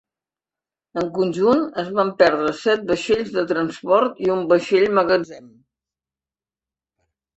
En conjunt, es van perdre set vaixells de transport i un vaixell magatzem.